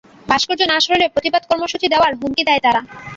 ভাস্কর্য না সরালে প্রতিবাদ কর্মসূচি দেওয়ার হুমকি দেয় তারা।